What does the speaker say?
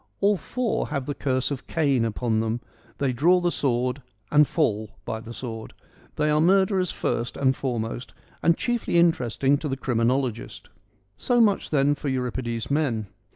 All four have the curse of Cain upon them : they draw the sword and fall by the sword. They are murderers first and foremost, and chiefly interesting to the criminologist. So much then for Euripides' men.